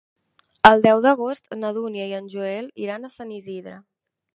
El deu d'agost na Dúnia i en Joel iran a Sant Isidre.